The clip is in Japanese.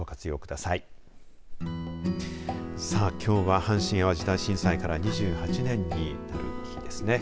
さあ、きょうは阪神・淡路大震災から２８年になる日ですね。